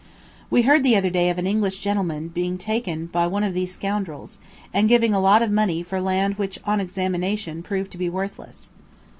We heard the other day of an English gentlemen being taken in by one of these scoundrels, and giving a lot of money for land which on examination proved to be worthless.